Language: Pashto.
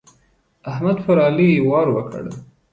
احمد پر علي وار وکړ.